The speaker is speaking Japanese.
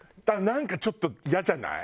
なんかちょっとイヤじゃない？